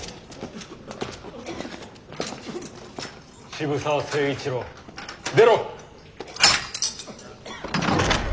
渋沢成一郎出ろ！